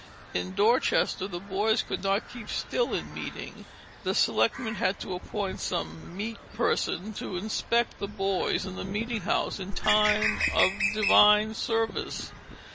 In Dorchester the boys could not keep still in meeting; the selectmen had to appoint some "meet person to inspect the boys in the meeting house in time of divine service."